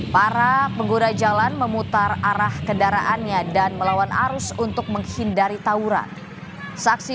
para pengguna jalan memutar arah kendaraannya dan melawan arus untuk menghindari tawuran saksi